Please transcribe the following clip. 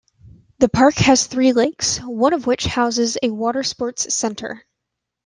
The park has three lakes, one of which houses a watersports centre.